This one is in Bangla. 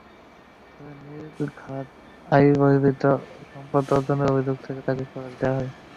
তবে জ্ঞাত আয়বহির্ভূত সম্পদ অর্জনের অভিযোগ থেকে তাঁকে খালাস দেওয়া হয়।